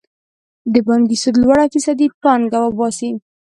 د بانکي سود لوړه فیصدي پانګه وباسي.